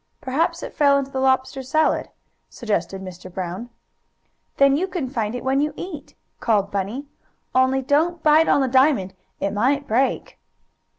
"Perhaps it fell into the lobster salad," suggested Mr. Brown. "Then you can find it when you eat," called Bunny. "Only don't bite on the diamond. It might break."